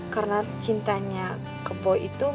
karena cintanya ke boy itu